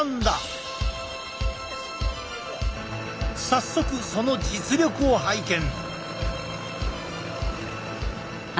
早速その実力を拝見。